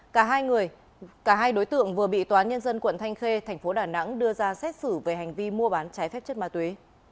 cả hai đối tượng vừa bị tòa nhân dân quận thanh khê tp đà nẵng đưa ra xét xử về hành vi mua bán trái phép chất ma túy